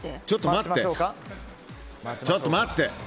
ちょっと待って！